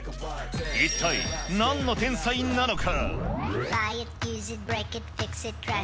一体、なんの天才なのか。